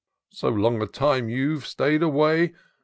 So long a time you've staid away.